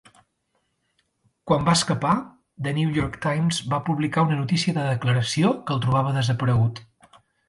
Quan va escapar, "The New York Times" va publicar una notícia de declaració que el trobava desaparegut.